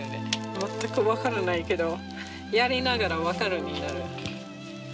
まったく分からないけどやりながら分かるようになる。